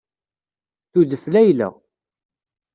Tudef Layla.